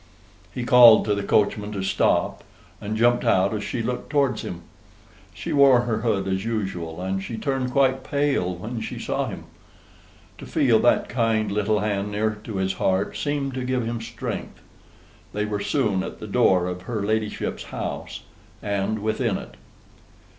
He called to the coachman to stop, and jumped out as she looked towards him. She wore her hood as usual, and she turned quite pale when she saw him. To feel that kind little hand near to his heart seemed to give him strength. They were soon at the door of her ladyship's house and within it.